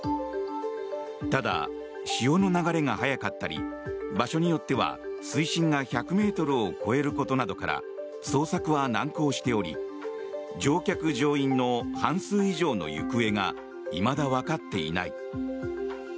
ただ、潮の流れが速かったり場所によっては、水深が１００ｍを超えることなどから捜索は難航しており乗客・乗員の半数以上の行方がいまだわかっていない。